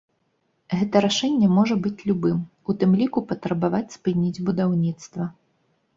Гэта рашэнне можа быць любым, у тым ліку патрабаваць спыніць будаўніцтва.